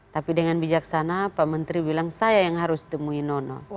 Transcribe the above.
tapi dengan bijaksana pak menteri bilang saya yang harus temui nono